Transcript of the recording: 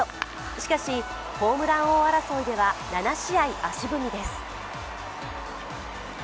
しかし、ホームラン王争いでは７試合足踏みです。